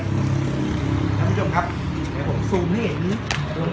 อ๋อน่ะท่านผู้ชมครับเดี๋ยวผมซูมให้เห็นนี้